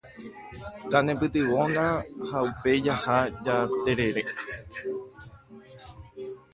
Tanepytyvõna ha upéi jaha jaterere.